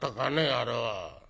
あれは。